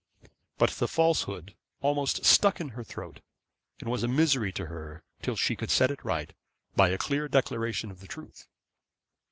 But the falsehood almost stuck in her throat and was a misery to her till she could set it right by a clear declaration of the truth.